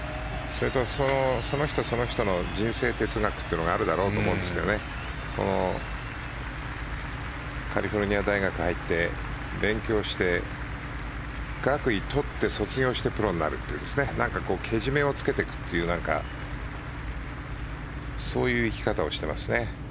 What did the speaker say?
その人のその人の人生哲学というのがあるだろうと思うんですけどカリフォルニア大学に入って勉強して学位を取って卒業してプロになるというけじめをつけていくというそういう生き方をしてますね。